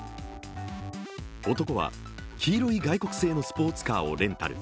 男は黄色い外国製のスポーツカーをレンタル。